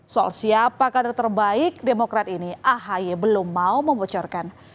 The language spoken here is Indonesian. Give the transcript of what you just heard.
soal siapa kader terbaik demokrat ini ahi belum mau membocorkan